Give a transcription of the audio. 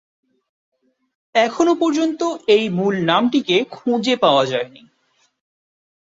এখনও পর্যন্ত এই মূল নামটিকে খুঁজে পাওয়া যায়নি।